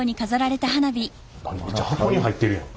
めっちゃ箱に入ってるやん。